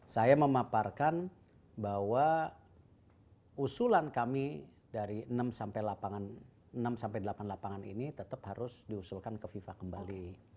saya memaparkan bahwa usulan kami dari enam sampai delapan lapangan ini tetap harus diusulkan ke fifa kembali